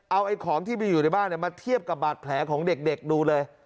เอาไอ้ของที่ไปอยู่ในบ้านมาเทียบกับบาดแผลของเด็กดูเลย